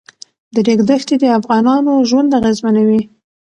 د ریګ دښتې د افغانانو ژوند اغېزمنوي.